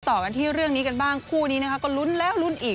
ต่อกันที่เรื่องนี้กันบ้างคู่นี้นะคะก็ลุ้นแล้วลุ้นอีก